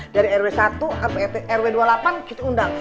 dari rw satu rt rw dua puluh delapan kita undang